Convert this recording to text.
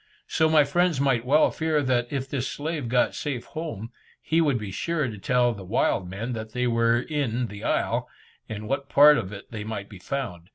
So my friends might well fear that if this slave got safe home, he would be sure to tell the wild men that they were in the isle, and in what part of it they might be found.